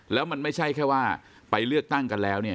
แล้วมันไม่ใช่แค่ว่าไปเลือกตั้งกันแล้วเนี่ย